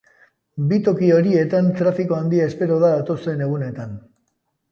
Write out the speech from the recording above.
Bi toki horietan trafiko handia espero da datozen egunetan.